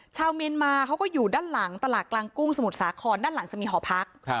ชาวเมียนมาเขาก็อยู่ด้านหลังตลาดกลางกุ้งสมุทรสาครด้านหลังจะมีหอพัก